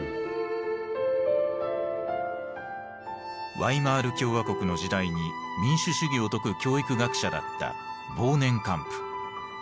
ワイマール共和国の時代に民主主義を説く教育学者だったボーネンカンプ。